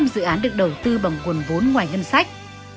chín trăm linh dự án được đầu tư bằng quần vốn ngoài hân sách